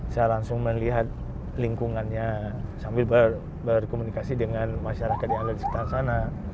saya langsung melihat lingkungannya sambil berkomunikasi dengan masyarakat yang ada di sekitar sana